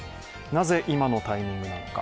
なぜ、今のタイミングなのか。